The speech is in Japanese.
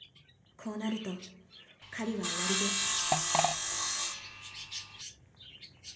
［こうなると狩りは終わりです］